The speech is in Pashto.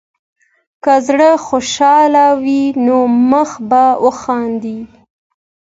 که زړه خوشحال وي، نو مخ به وخاندي.